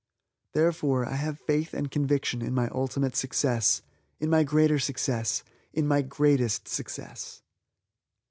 Therefore, I have faith and conviction in my ultimate success in my greater success in my greatest success!